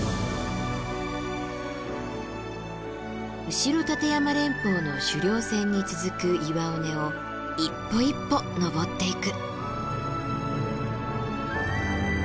後立山連峰の主稜線に続く岩尾根を一歩一歩登っていく。